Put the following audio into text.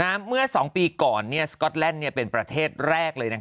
เมื่อ๒ปีก่อนสก๊อตแลนด์เป็นประเทศแรกเลย